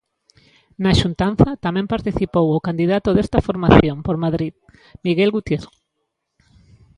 Na xuntanza tamén participou o candidato desta formación por Madrid, Miguel Gutiérrez.